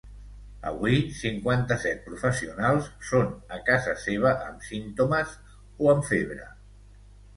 Avui, cinquanta-set professionals són a casa seva amb símptomes o amb febre.